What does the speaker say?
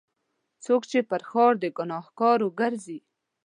څوک چې پر ښار د ګناهکارو ګرځي.